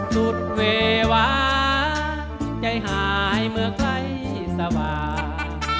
สุดเววาใจหายเมื่อใครสว่าง